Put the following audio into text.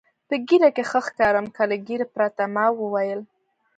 په ږیره کې ښه ښکارم که له ږیرې پرته؟ ما وویل.